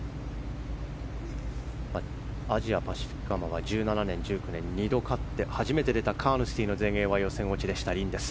アジアパシフィックアマは１７年と１９年２度勝って、初めて出たカーヌスティの全英は予選落ちでした、リンです。